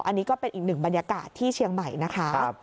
อันนี้ก็เป็นอีกหนึ่งบรรยากาศที่เชียงใหม่นะคะ